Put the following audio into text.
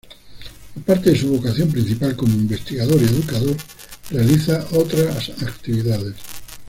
Aparte de su vocación principal como investigador y educador, realiza otras actividades.